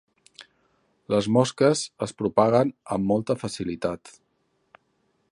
Les mosques es propaguen amb molta facilitat.